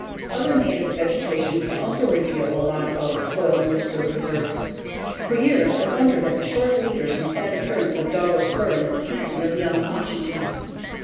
Other native vegetation can also reveal a lot about soil moisture reserves. For years I wondered at the short leaders and sad appearance of Douglas fir in the vicinity of Yelm, Washington.